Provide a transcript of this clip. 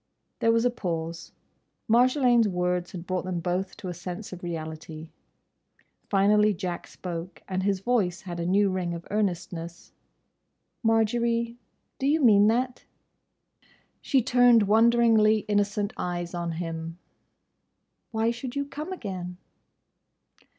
There was a pause. Marjolaine's words had brought them both to a sense of reality. Finally Jack spoke, and his voice had a new ring of earnestness. "Marjory—do you mean that?" She turned wonderingly innocent eyes on him. "Why should you come again?"